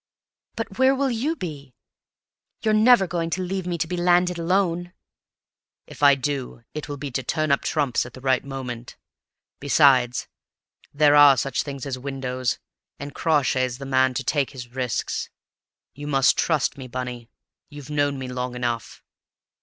"But where will you be? You're never going to leave me to be landed alone?" "If I do, it will be to turn up trumps at the right moment. Besides, there are such things as windows, and Crawshay's the man to take his risks. You must trust me, Bunny; you've known me long enough."